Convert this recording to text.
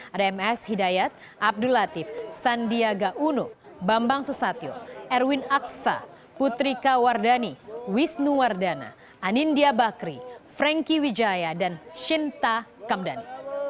ada ms hidayat abdul latif sandiaga uno bambang susatyo erwin aksa putri kawardani wisnu wardana anindya bakri frankie wijaya dan shinta kamdhani